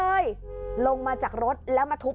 เอ้ยหลงมาจากรถแล้วมะทุบ